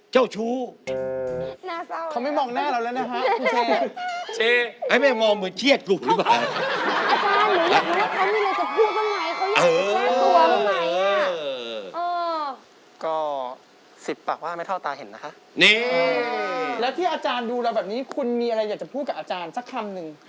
คุณมีอะไรอยากจะพูดกับอาจารย์สักคำหนึ่ง